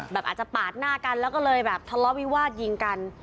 อาจจะปาดหน้ากันแล้วก็เลยแบบทะเลาะวิวาสยิงกัน